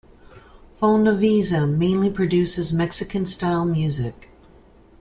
Fonovisa mainly produces Mexican style music.